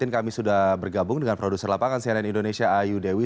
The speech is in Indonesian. kami sudah bergabung dengan produser lapangan cnn indonesia ayu dewi